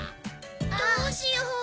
どうしよう。